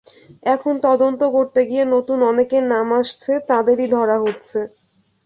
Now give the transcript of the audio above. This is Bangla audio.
এখন তদন্ত করতে গিয়ে নতুন অনেকের নাম আসছে, তাদেরই ধরা হচ্ছে।